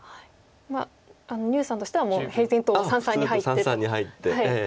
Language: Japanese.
牛さんとしてはもう平然と三々に入ってと。